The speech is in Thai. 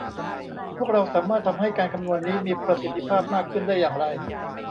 พวกเราสามารถทำให้การคำนวณนี้มีประสิทธิภาพมากขึ้นได้อย่างไร